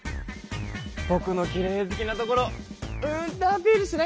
ぼくのきれい好きなところうんとアピールしなきゃ！